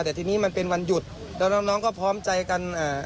แต่ทีนี้มันเป็นวันหยุดแล้วน้องน้องก็พร้อมใจกันอ่า